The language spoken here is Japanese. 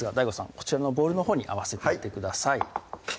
こちらのボウルのほうに合わせていってください